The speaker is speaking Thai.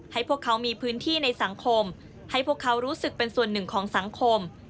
พวกเขามีพื้นที่ในสังคมให้พวกเขารู้สึกเป็นส่วนหนึ่งของสังคม